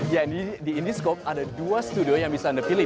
ya ini di indiscope ada dua studio yang bisa anda pilih